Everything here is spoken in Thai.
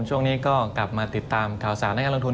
ช่วงนี้ก็กลับมาติดตามข่าวสารในการลงทุน